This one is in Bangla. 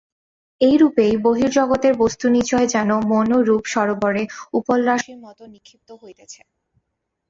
এইরূপেই বহির্জগতের বস্তুনিচয় যেন মন-রূপ সরোবরে উপলরাশির মত নিক্ষিপ্ত হইতেছে।